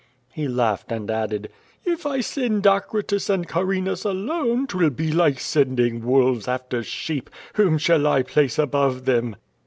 He laughed, and added: "If I send Acratus and Carinas alone, 'twill be like sending wolves after sheep. Whom shall I place above them?"